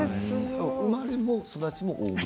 生まれも育ちも大森？